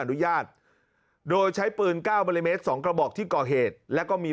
อนุญาตโดยใช้ปืน๙มิลลิเมตร๒กระบอกที่ก่อเหตุแล้วก็มี